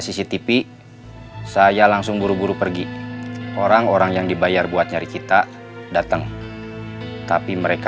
cctv saya langsung buru buru pergi orang orang yang dibayar buat nyari kita datang tapi mereka